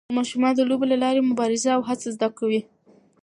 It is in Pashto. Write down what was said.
ماشومان د لوبو له لارې مبارزه او هڅه زده کوي.